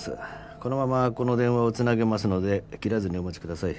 このままこの電話を繋げますので切らずにお待ちください。